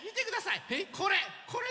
これ！